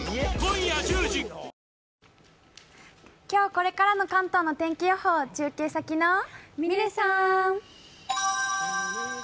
今日これからの関東の天気予報を嶺さん！